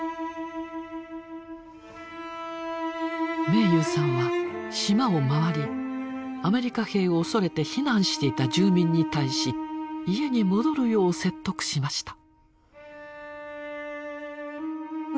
明勇さんは島をまわりアメリカ兵を恐れて避難していた住民に対し家に戻るよう説得しました。